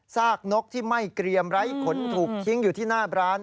ซากนกที่ไม่เกรียมไร้ขนถูกทิ้งอยู่ที่หน้าร้าน